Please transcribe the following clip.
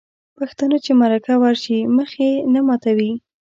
پښتانه چې مرکه ورشي مخ یې نه ماتوي.